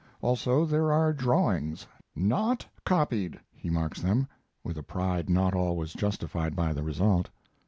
Also there are drawings "not copied," he marks them, with a pride not always justified by the result.